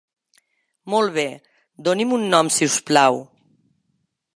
Molt bé, doni'm un nom si us plau.